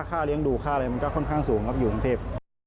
ค่าเลี้ยงดูค่าอะไรมันก็ค่อนข้างสูงครับอยู่กรุงเทพ